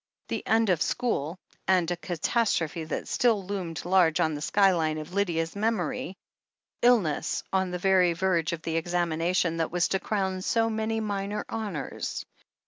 The end of school — ^and a catastrophe that still loomed large on the sky line of Lydia's memory. Ill ness on the very verge of the examination that was to crown so many minor honours.